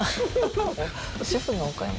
主婦のお買い物。